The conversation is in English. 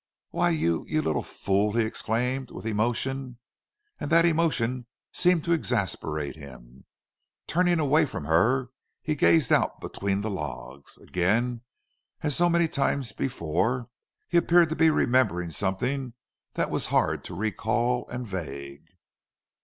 "Why you you little fool!" he exclaimed, with emotion. And that emotion seemed to exasperate him. Turning away from her, he gazed out between the logs. Again, as so many times before, he appeared to be remembering something that was hard to recall, and vague.